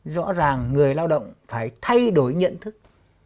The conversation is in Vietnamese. rõ ràng người lao động phải thay đổi nhận thức